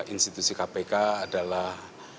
institusi kpk adalah